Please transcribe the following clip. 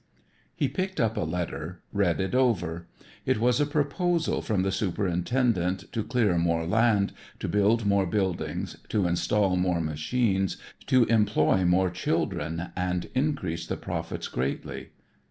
He picked up a letter, read it over. It was a proposal from the superintendent to clear more land, to build more buildings, to install more machines, to employ more children and increase the profits greatly.